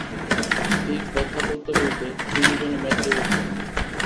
এই কথা বলতে বলতে তিনি যেন মেতে উঠলেন।